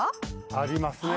ありますね